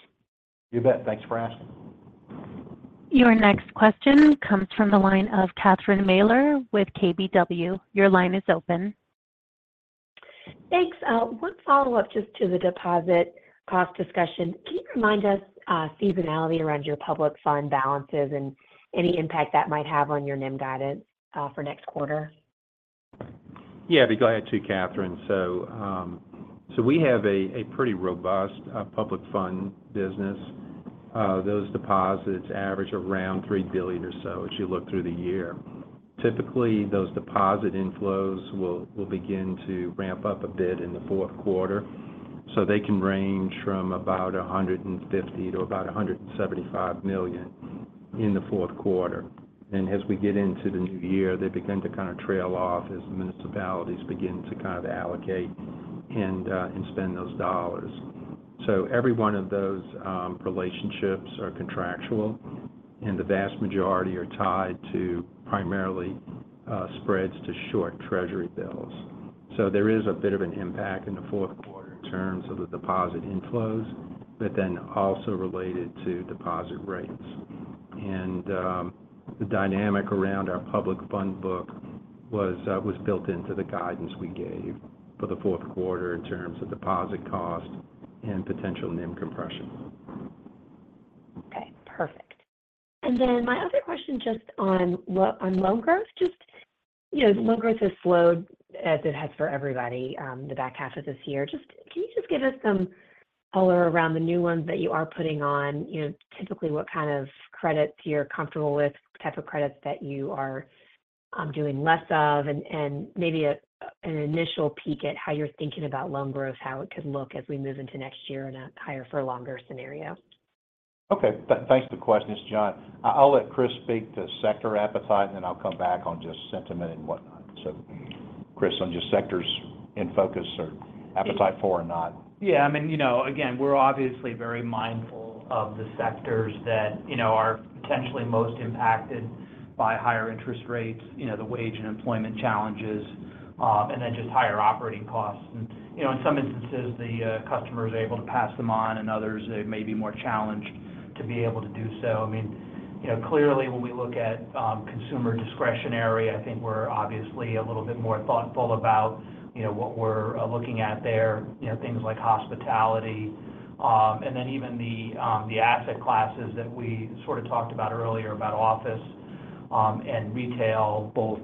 Speaker 4: You bet. Thanks for asking.
Speaker 1: Your next question comes from the line of Catherine Mealor with KBW. Your line is open.
Speaker 11: Thanks. One follow-up just to the deposit cost discussion. Can you remind us, seasonality around your public fund balances and any impact that might have on your NIM guidance, for next quarter?
Speaker 4: Yeah, I'd be glad to, Catherine. So, we have a pretty robust public fund business. Those deposits average around $3 billion or so, as you look through the year. Typically, those deposit inflows will begin to ramp up a bit in the fourth quarter, so they can range from about $150 million to about $175 million in the fourth quarter. And as we get into the new year, they begin to kind of trail off as municipalities begin to kind of allocate and spend those dollars. So every one of those relationships are contractual, and the vast majority are tied to primarily spreads to short Treasury bills. So there is a bit of an impact in the fourth quarter in terms of the deposit inflows, but then also related to deposit rates. The dynamic around our public fund book was built into the guidance we gave for the fourth quarter in terms of deposit cost and potential NIM compression.
Speaker 11: Okay, perfect. And then my other question, just on loan growth. Just, you know, loan growth has slowed, as it has for everybody, the back half of this year. Just— Can you just give us some color around the new ones that you are putting on? You know, typically, what kind of credits you're comfortable with, type of credits that you are doing less of, and maybe an initial peek at how you're thinking about loan growth, how it could look as we move into next year in a higher for longer scenario?
Speaker 4: Okay. Thanks for the question. It's John. I'll let Chris speak to sector appetite, and then I'll come back on just sentiment and whatnot. So Chris, on just sectors in focus or appetite for or not.
Speaker 9: Yeah, I mean, you know, again, we're obviously very mindful of the sectors that, you know, are potentially most impacted by higher interest rates, you know, the wage and employment challenges, and then just higher operating costs. And, you know, in some instances, the customer is able to pass them on, and others, they may be more challenged to be able to do so. I mean, you know, clearly, when we look at consumer discretionary, I think we're obviously a little bit more thoughtful about, you know, what we're looking at there, you know, things like hospitality. And then even the asset classes that we sort of talked about earlier, about office.... and retail, both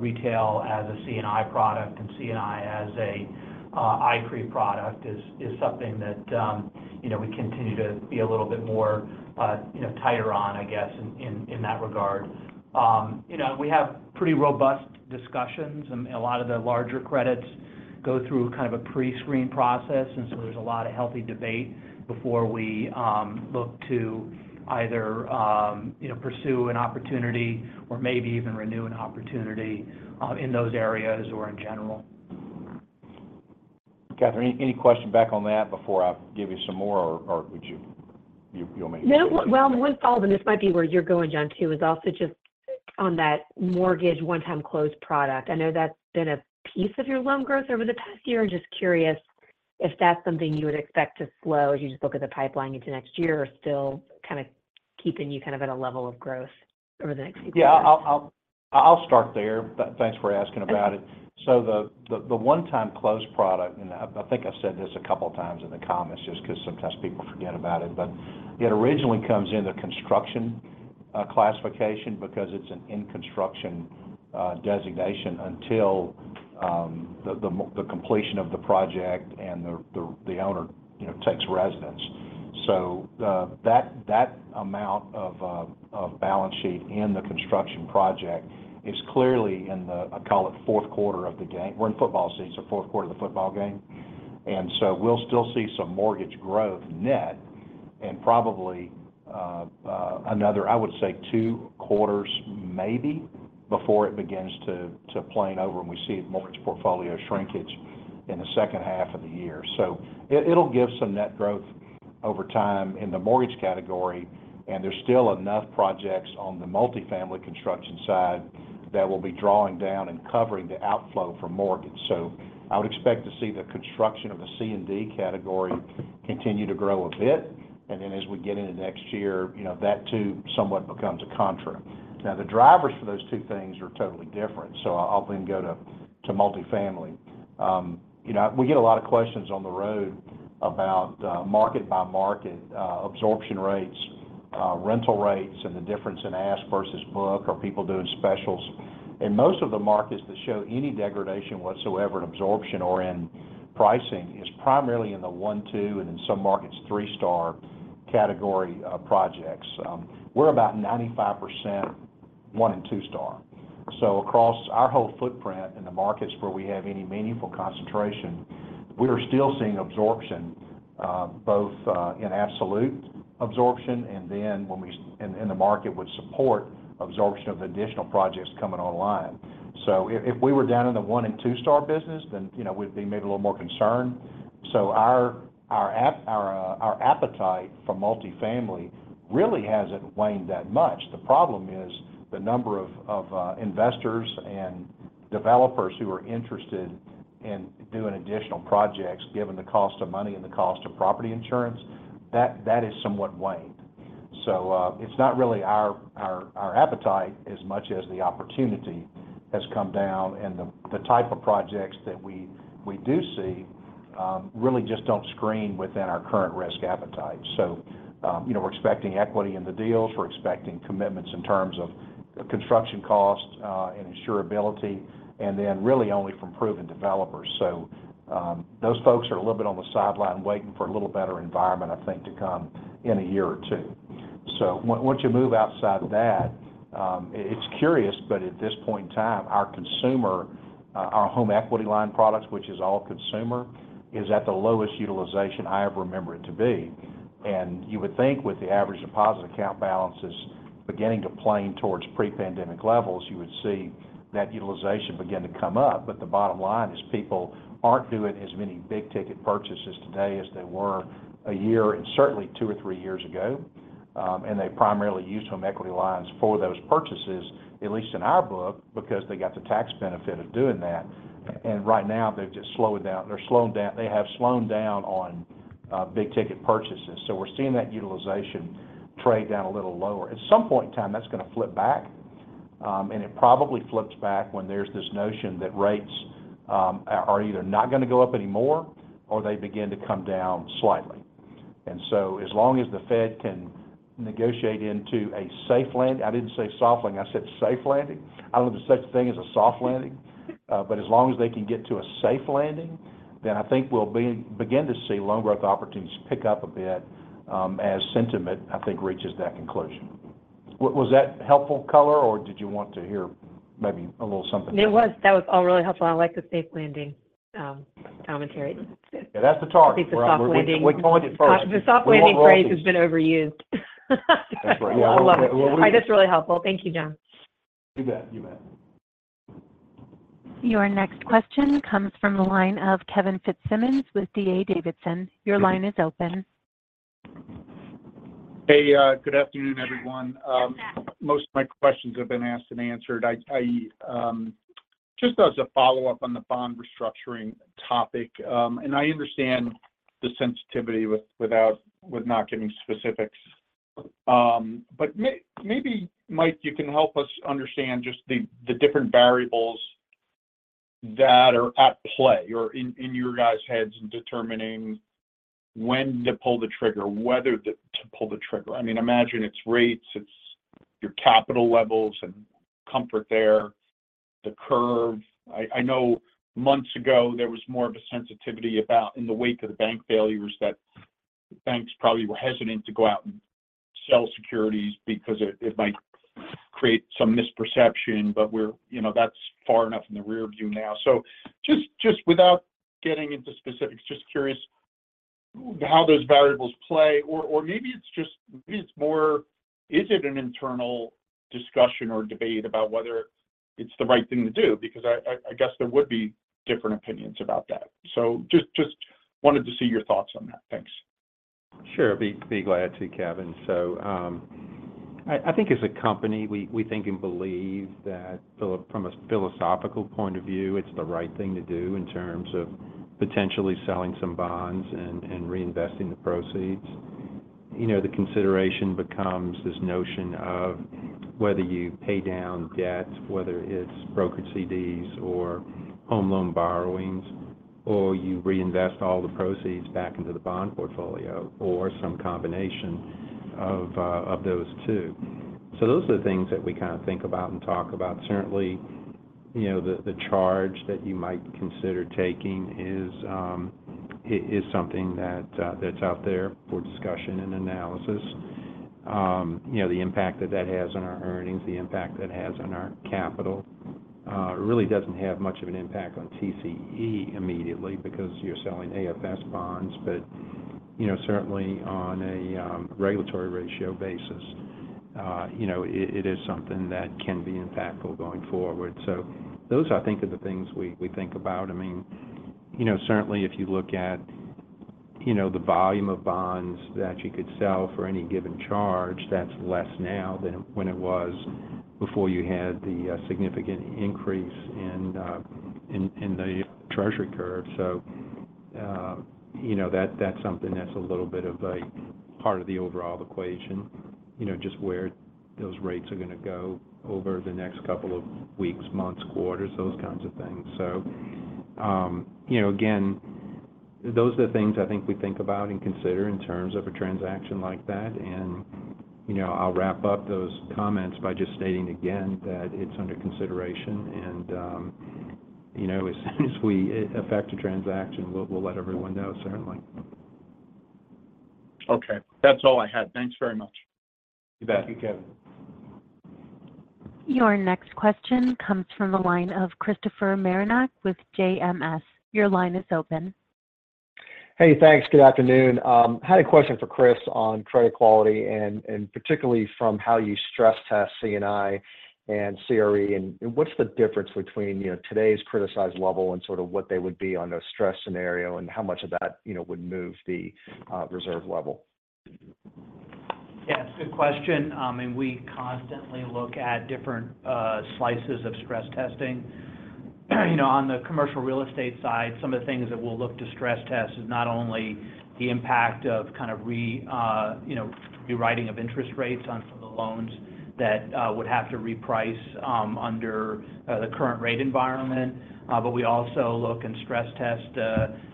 Speaker 9: retail as a C&I product and C&I as a CRE product is something that, you know, we continue to be a little bit more, you know, tighter on, I guess, in that regard. You know, we have pretty robust discussions, and a lot of the larger credits go through kind of a pre-screen process, and so there's a lot of healthy debate before we look to either, you know, pursue an opportunity or maybe even renew an opportunity in those areas or in general.
Speaker 3: Catherine, any question back on that before I give you some more, or would you—you want me to—
Speaker 11: No, well, one follow-up, and this might be where you're going, John, too, is also just on that mortgage one-time close product. I know that's been a piece of your loan growth over the past year. I'm just curious if that's something you would expect to slow as you just look at the pipeline into next year, or still kind of keeping you kind of at a level of growth over the next few quarters?
Speaker 3: Yeah, I'll start there. But thanks for asking about it.
Speaker 11: Okay.
Speaker 3: So the one-time close product, and I think I've said this a couple times in the comments, just 'cause sometimes people forget about it, but it originally comes in the construction classification because it's an in-construction designation until the completion of the project and the owner, you know, takes residence. So that amount of balance sheet in the construction project is clearly in the, I call it fourth quarter of the game. We're in football season, so fourth quarter of the football game. And so we'll still see some mortgage growth net and probably another, I would say, two quarters maybe before it begins to plane over and we see mortgage portfolio shrinkage in the second half of the year. So it'll give some net growth over time in the mortgage category, and there's still enough projects on the multifamily construction side that will be drawing down and covering the outflow from mortgage. So I would expect to see the construction of a C&D category continue to grow a bit, and then as we get into next year, you know, that too somewhat becomes a contra. Now, the drivers for those two things are totally different, so I'll then go to multifamily. You know, we get a lot of questions on the road about market by market absorption rates, rental rates, and the difference in ask versus book, are people doing specials? In most of the markets that show any degradation whatsoever in absorption or in pricing is primarily in the one, two, and in some markets, three-star category projects. We're about 95% one- and two-star. So across our whole footprint in the markets where we have any meaningful concentration, we are still seeing absorption, both in absolute absorption, and then and the market would support absorption of additional projects coming online. So if we were down in the one- and two-star business, then, you know, we'd be maybe a little more concerned. So our appetite for multifamily really hasn't waned that much. The problem is the number of investors and developers who are interested in doing additional projects, given the cost of money and the cost of property insurance, that has somewhat waned. So, it's not really our appetite as much as the opportunity has come down, and the type of projects that we do see really just don't screen within our current risk appetite. So, you know, we're expecting equity in the deals, we're expecting commitments in terms of construction cost, and insurability, and then really only from proven developers. So, those folks are a little bit on the sideline waiting for a little better environment, I think, to come in a year or two. So once you move outside of that, it's curious, but at this point in time, our consumer, our home equity line products, which is all consumer, is at the lowest utilization I ever remember it to be. You would think with the average deposit account balances beginning to plain towards pre-pandemic levels, you would see that utilization begin to come up. But the bottom line is people aren't doing as many big-ticket purchases today as they were a year, and certainly two or three years ago. And they primarily use home equity lines for those purchases, at least in our book, because they got the tax benefit of doing that. And right now, they've just slowed down. They're slowing down. They have slowed down on big-ticket purchases. So we're seeing that utilization trend down a little lower. At some point in time, that's going to flip back, and it probably flips back when there's this notion that rates are either not going to go up anymore, or they begin to come down slightly. So as long as the Fed can negotiate into a safe landing. I didn't say soft landing, I said safe landing. I don't know if there's such a thing as a soft landing, but as long as they can get to a safe landing, then I think we'll begin to see loan growth opportunities pick up a bit, as sentiment, I think, reaches that conclusion. Was that helpful color, or did you want to hear maybe a little something else?
Speaker 11: It was. That was all really helpful. I like the safe landing, commentary.
Speaker 3: Yeah, that's the target.
Speaker 11: The soft landing-
Speaker 3: We coined it first.
Speaker 11: The soft landing phrase-
Speaker 3: We want royalties.
Speaker 11: has been overused.
Speaker 3: That's right. Yeah.
Speaker 11: I love it. I think it's really helpful. Thank you, John.
Speaker 3: You bet. You bet.
Speaker 1: Your next question comes from the line of Kevin Fitzsimmons with D.A. Davidson. Your line is open.
Speaker 12: Hey, good afternoon, everyone.
Speaker 1: Yes, hi.
Speaker 12: Most of my questions have been asked and answered. I just as a follow-up on the bond restructuring topic, and I understand the sensitivity with not giving specifics, but maybe, Mike, you can help us understand just the different variables that are at play or in your guys' heads in determining when to pull the trigger, whether to pull the trigger? I mean, imagine it's rates, it's your capital levels and comfort there, the curve. I know months ago there was more of a sensitivity about in the wake of the bank failures, that banks probably were hesitant to go out and sell securities because it might create some misperception. But you know, that's far enough in the rearview now. So just, just without getting into specifics, just curious how those variables play. Or maybe it's just more, is it an internal discussion or debate about whether it's the right thing to do? Because I guess there would be different opinions about that. So just wanted to see your thoughts on that. Thanks.
Speaker 4: Sure. Be glad to, Kevin. So, I think as a company, we think and believe that from a philosophical point of view, it's the right thing to do in terms of potentially selling some bonds and reinvesting the proceeds. You know, the consideration becomes this notion of whether you pay down debt, whether it's brokered CDs or home loan borrowings, or you reinvest all the proceeds back into the bond portfolio, or some combination of those two. So those are the things that we kind of think about and talk about. Certainly, you know, the charge that you might consider taking is something that's out there for discussion and analysis. You know, the impact that that has on our earnings, the impact that has on our capital, it really doesn't have much of an impact on TCE immediately because you're selling AFS bonds. But, you know, certainly on a regulatory ratio basis, you know, it is something that can be impactful going forward. So those, I think, are the things we think about. I mean, you know, certainly if you look at, you know, the volume of bonds that you could sell for any given charge, that's less now than when it was before you had the significant increase in the Treasury curve. So, you know, that's something that's a little bit of a part of the overall equation, you know, just where those rates are gonna go over the next couple of weeks, months, quarters, those kinds of things. So, you know, again, those are the things I think we think about and consider in terms of a transaction like that. And, you know, I'll wrap up those comments by just stating again that it's under consideration and, you know, as soon as we effect a transaction, we'll let everyone know, certainly.
Speaker 12: Okay. That's all I had. Thanks very much.
Speaker 4: You bet.
Speaker 9: Thank you, Kevin.
Speaker 1: Your next question comes from the line of Christopher Marinac with JMS. Your line is open.
Speaker 13: Hey, thanks. Good afternoon. Had a question for Chris on credit quality, and particularly from how you stress test C&I and CRE, and what's the difference between, you know, today's criticized level and sort of what they would be on a stress scenario, and how much of that, you know, would move the reserve level?
Speaker 9: Yeah, it's a good question. And we constantly look at different slices of stress testing. You know, on the commercial real estate side, some of the things that we'll look to stress test is not only the impact of kind of you know, rewriting of interest rates on some of the loans that would have to reprice under the current rate environment. But we also look and stress test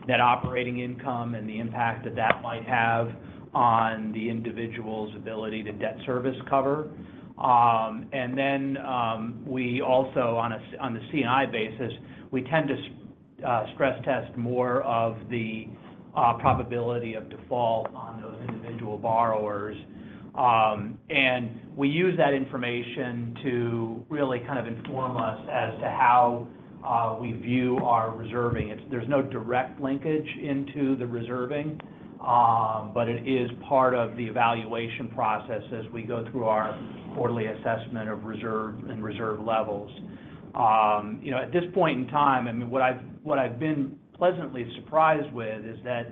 Speaker 9: net operating income and the impact that that might have on the individual's ability to debt service cover. And then we also on a on the C&I basis, we tend to stress test more of the probability of default on those individual borrowers. And we use that information to really kind of inform us as to how we view our reserving. There's no direct linkage into the reserving, but it is part of the evaluation process as we go through our quarterly assessment of reserve and reserve levels. You know, at this point in time, I mean, what I've, what I've been pleasantly surprised with is that,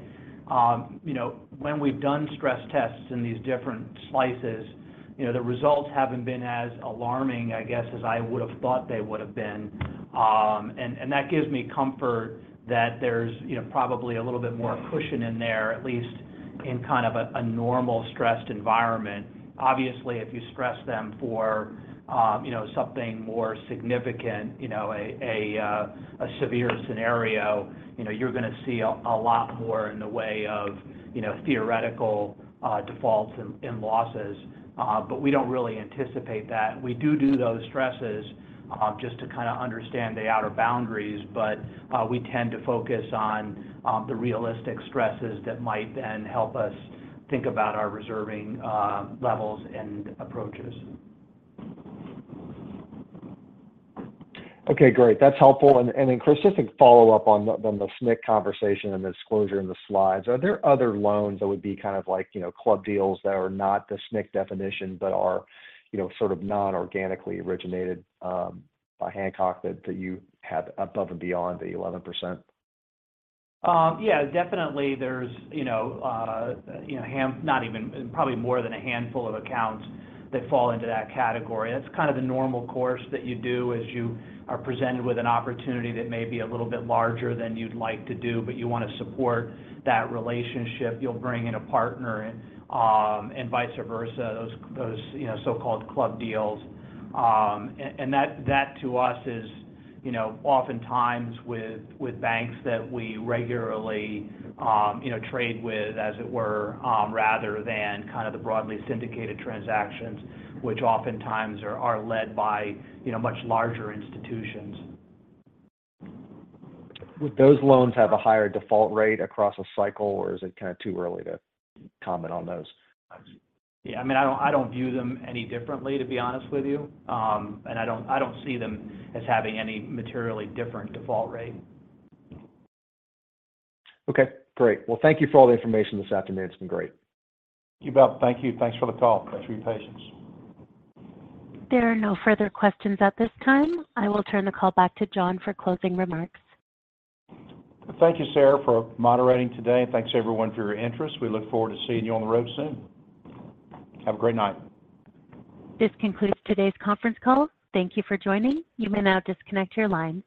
Speaker 9: you know, when we've done stress tests in these different slices, you know, the results haven't been as alarming, I guess, as I would have thought they would have been. And that gives me comfort that there's, you know, probably a little bit more cushion in there, at least in kind of a normal stressed environment. Obviously, if you stress them for, you know, something more significant, you know, a severe scenario, you know, you're gonna see a lot more in the way of, you know, theoretical defaults and losses. But we don't really anticipate that. We do do those stresses, just to kind of understand the outer boundaries, but we tend to focus on the realistic stresses that might then help us think about our reserving levels and approaches.
Speaker 13: Okay, great. That's helpful. Then, Chris, just a follow-up on the SNC conversation and the disclosure in the slides. Are there other loans that would be kind of like, you know, club deals that are not the SNC definition, but are, you know, sort of non-organically originated by Hancock that you have above and beyond the 11%?
Speaker 9: Yeah, definitely there's, you know, not even, probably more than a handful of accounts that fall into that category. That's kind of the normal course that you do, as you are presented with an opportunity that may be a little bit larger than you'd like to do, but you want to support that relationship. You'll bring in a partner, and vice versa, those, you know, so-called club deals. And that to us is, you know, oftentimes with banks that we regularly, you know, trade with, as it were, rather than kind of the broadly syndicated transactions, which oftentimes are led by, you know, much larger institutions.
Speaker 13: Would those loans have a higher default rate across a cycle, or is it kind of too early to comment on those?
Speaker 9: Yeah, I mean, I don't, I don't view them any differently, to be honest with you. And I don't, I don't see them as having any materially different default rate.
Speaker 13: Okay, great. Well, thank you for all the information this afternoon. It's been great.
Speaker 4: You bet. Thank you. Thanks for the call. Thanks for your patience.
Speaker 1: There are no further questions at this time. I will turn the call back to John for closing remarks.
Speaker 4: Thank you, Sarah, for moderating today, and thanks everyone for your interest. We look forward to seeing you on the road soon. Have a great night.
Speaker 1: This concludes today's conference call. Thank you for joining. You may now disconnect your lines.